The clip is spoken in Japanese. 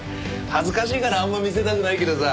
恥ずかしいからあんま見せたくないけどさ。